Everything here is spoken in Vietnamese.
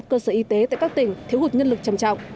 cơ sở y tế tại các tỉnh thiếu hụt nhân lực trầm trọng